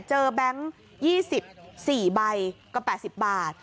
ทั้ง๒๔ใบก็๘๐บาท